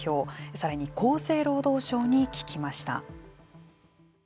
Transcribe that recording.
さらに厚生労働省に聞きました。